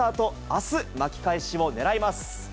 あす巻き返しをねらいます。